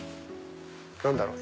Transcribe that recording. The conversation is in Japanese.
何だろう？